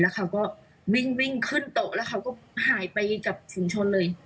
เขาก็วิ่งขึ้นโต๊ะแล้วเขาก็หายไปกับชุมชนเลย